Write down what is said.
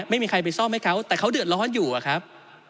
ไม่มีใครไปซ่อมให้เขาแต่เขาเดือดร้อนอยู่อะครับ